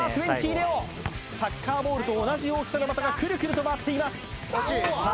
ＮＥＯサッカーボールと同じ大きさの的がクルクルと回っていますさあ